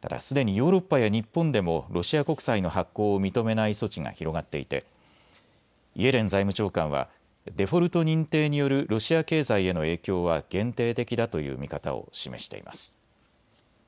ただ、すでにヨーロッパや日本でもロシア国債の発行を認めない措置が広がっていてイエレン財務長官はデフォルト認定によるロシア経済への影響は限定的だという見方を示しています。